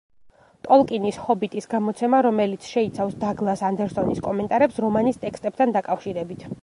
ტოლკინის „ჰობიტის“ გამოცემა, რომელიც შეიცავს დაგლას ანდერსონის კომენტარებს რომანის ტექსტებთან დაკავშირებით.